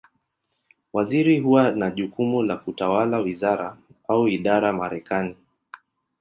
Waziri huwa na jukumu la kutawala wizara, au idara Marekani.